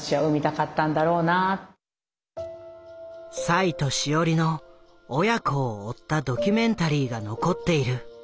栽と志織の親子を追ったドキュメンタリーが残っている。